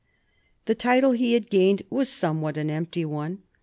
The title he had gained was somewhat an empty one.